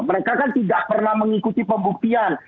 mereka kan tidak pernah mengikuti pembuktian